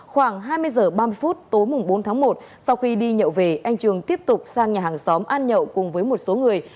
khoảng hai mươi h ba mươi phút tối bốn tháng một sau khi đi nhậu về anh trường tiếp tục sang nhà hàng xóm ăn nhậu cùng với một số người